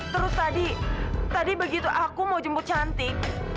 terus tadi begitu aku mau jemput cantik